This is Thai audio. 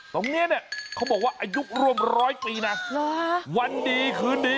ตรงนี้เนี่ยเขาบอกว่าอายุร่วมร้อยปีนะวันดีคืนดี